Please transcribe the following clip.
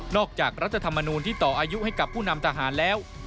อกจากรัฐธรรมนูลที่ต่ออายุให้กับผู้นำทหารแล้ว